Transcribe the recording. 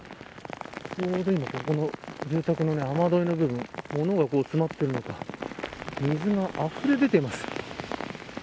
ここの住宅の雨どいの部分物が詰まっているのか水があふれ出ています。